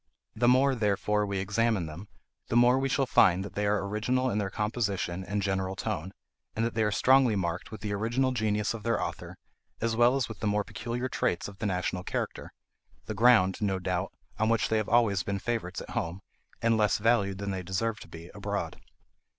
The more, therefore, we examine them, the more we shall find that they are original in their composition and general tone, and that they are strongly marked with the original genius of their author, as well as with the more peculiar traits of the national character,—the ground, no doubt, on which they have always been favourites at home, and less valued than they deserve to be abroad.